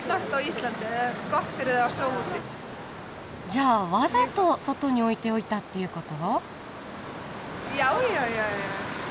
じゃあわざと外に置いておいたっていうこと？